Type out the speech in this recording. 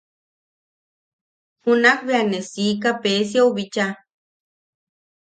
Junak bea ne siika Pesiou bicha.